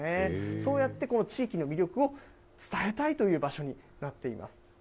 そうやって、地域の魅力を伝えたいという場所になっています。